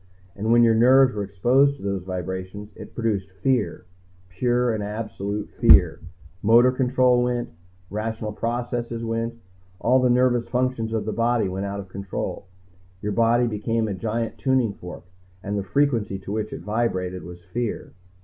And when your nerves were exposed to those vibrations, it produced fear. Pure and absolute fear. Motor control went, rational processes went, all the nervous functions of the body went out of control. Your body became a giant tuning fork, and the frequency to which it vibrated was fear.